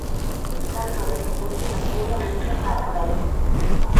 დასავლეთ კედელში გაჭრილია ვიწრო სარკმელი.